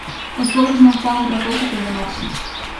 os pobres non fan outra cousa que enganarse;